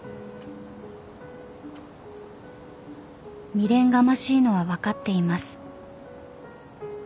［未練がましいのは分かっています］